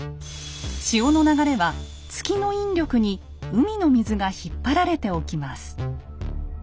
潮の流れは月の引力に海の水が引っ張られて起きます。